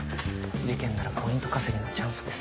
事件ならポイント稼ぎのチャンスです。